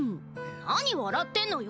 何笑ってんのよ！